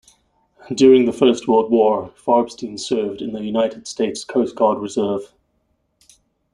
During the First World War Farbstein served in the United States Coast Guard Reserve.